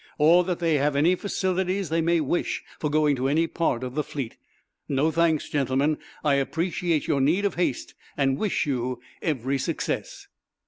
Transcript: Or, that they have any facilities they may wish for going to any part of the fleet. No thanks, gentlemen. I appreciate your need of haste and wish you every success."